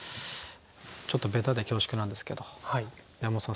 ちょっとベタで恐縮なんですけど山本さん